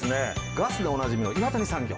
ガスでおなじみの岩谷産業。